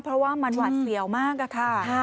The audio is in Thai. เพราะว่ามันหวัดเสี่ยวมากค่ะ